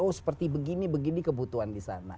oh seperti begini begini kebutuhan di sana